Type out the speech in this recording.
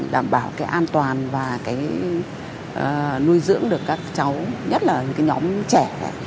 đảm bảo cái an toàn và cái nuôi dưỡng được các cháu nhất là những cái nhóm trẻ